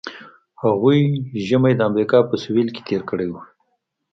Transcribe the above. هغوی ژمی د امریکا په سویل کې تیر کړی وي